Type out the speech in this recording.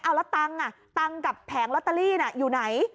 เอาแล้วตังค์อ่ะตังค์กับแผงลอตเตอรี่น่ะอยู่ไหน